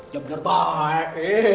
ya bener baik